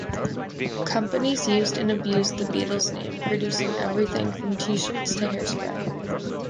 Companies used and abused the Beatles' name, producing everything from T-shirts to hairspray.